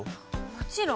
もちろん。